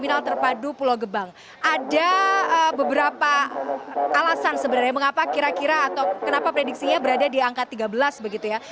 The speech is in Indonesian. ada beberapa alasan sebenarnya mengapa kira kira atau kenapa prediksinya berada di angka tiga belas begitu ya